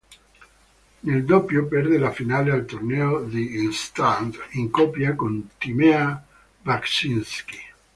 Nel doppio perde la finale al torneo di Gstaad in coppia con Timea Bacsinszky.